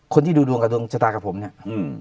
คนที่ดูดวงชะตากับผมเนี่ย